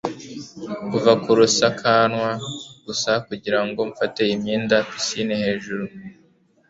kuva ku rusakanwa gusa kugirango mfate imyenda pisine hejuru